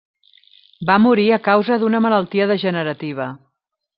Va morir a causa d'una malaltia degenerativa.